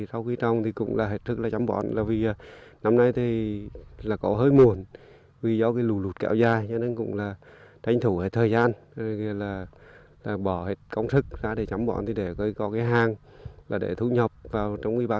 sau khi trồng thì cũng là hết sức chấm bọn là vì năm nay thì là có hơi muộn vì do cái lù lụt cạo da cho nên cũng là tranh thủ thời gian là bỏ hết công sức ra để chấm bọn để có cái hang là để thu nhập vào trong một mươi ba cái dịp tết